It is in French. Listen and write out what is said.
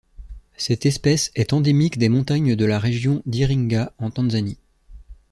Cette espèce est endémique des montagnes de la région d'Iringa en Tanzanie.